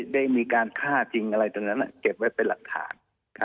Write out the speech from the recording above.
ได้มีการฆ่าจริงอะไรตรงนั้นเก็บไว้เป็นหลักฐาน